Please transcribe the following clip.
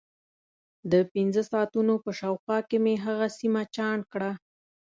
د پنځه ساعتونو په شاوخوا کې مې هغه سیمه چاڼ کړه.